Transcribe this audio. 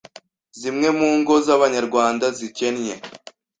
zimwe mu ngo z’Abanyarwanda zikennye